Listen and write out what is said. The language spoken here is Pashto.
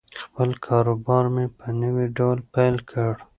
خپل کاروبار مې په نوي ډول پیل کړ.